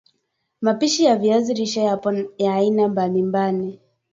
Mapishi ya viazi lishe yapo ya aina mbali mbal